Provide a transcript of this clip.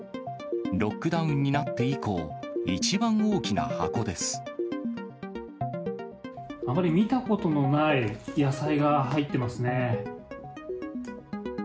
ロックダウンになって以降、あまり見たことのない野菜が入ってますね。